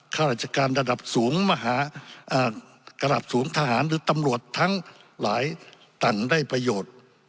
ข้าราชการระดับสูงทหารหรือตำรวจทั้งหลายต่างได้ประโยชน์